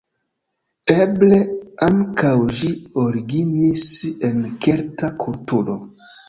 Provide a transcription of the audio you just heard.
Eble ankaŭ ĝi originis en kelta kulturo.